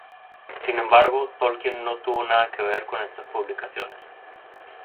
Sin embargo, Tolkien no tuvo nada que ver con estas publicaciones.